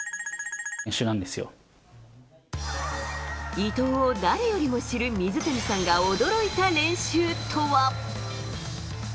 伊藤を誰よりも知る水谷さんが驚いた練習とは？